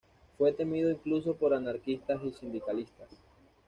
Fue temido incluso por anarquistas y sindicalistas.